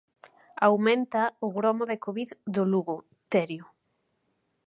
Aumenta o gromo de covid do Lugo, Terio.